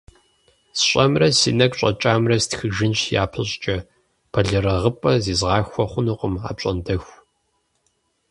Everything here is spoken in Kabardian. СщӀэмрэ си нэгу щӀэкӀамрэ стхыжынщ япэщӀыкӀэ – бэлэрыгъыпӀэ зизгъахуэ хъунукъым апщӀондэху…